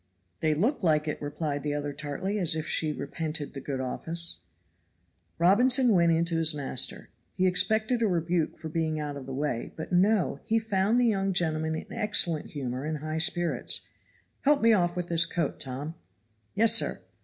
"They look like it," replied the other tartly, as if she repented the good office. Robinson went in to his master. He expected a rebuke for being out of the way; but no! he found the young gentleman in excellent humor and high spirits. "Help me off with this coat, Tom." "Yes, sir."